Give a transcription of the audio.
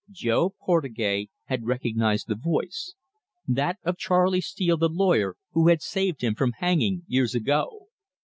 Jo Portugais had recognised the voice that of Charley Steele the lawyer who had saved him from hanging years ago.